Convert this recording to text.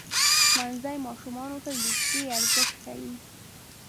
ښوونځی ماشومانو ته د دوستۍ ارزښت ښيي.